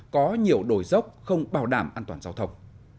có nhiều đồi dốc không bảo đảm an toàn giao thông